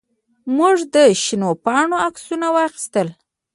موږ د شنو پاڼو عکسونه واخیستل.